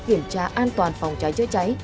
kiểm tra an toàn phòng cháy cháy cháy